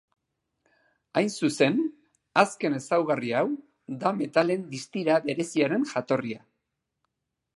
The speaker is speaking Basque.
Hain zuzen, azken ezaugarri hau da metalen distira bereziaren jatorria.